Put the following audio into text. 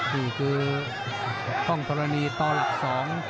นี่คือคลองธรณีตอลักษ์๒